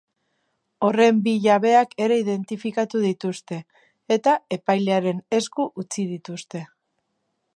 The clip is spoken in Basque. Horren bi jabeak ere identifikatu dituzte, eta epailearen esku utzi dituzte.